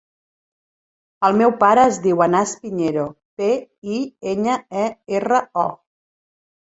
El meu pare es diu Anas Piñero: pe, i, enya, e, erra, o.